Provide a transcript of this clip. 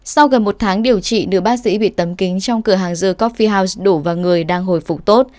sau gần một tháng điều trị nữ bác sĩ bị tấm kính trong cửa hàng dưa coffee house đổ vào người đang hồi phục tốt